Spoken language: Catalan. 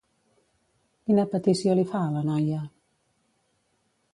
Quina petició li fa a la noia?